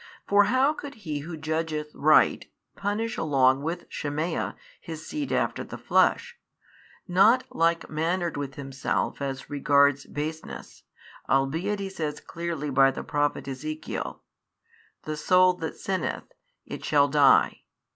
for how could He who judgeth right punish along with Shemaiah |634 his seed after the flesh, not like mannered with himself as regards baseness, albeit He says clearly by the Prophet Ezekiel, The soul that sinneth, it shall die.